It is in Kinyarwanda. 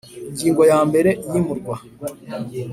Ingingo ya mbere iyimurwa